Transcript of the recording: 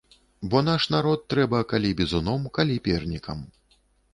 Бо наш народ трэба калі бізуном, калі пернікам.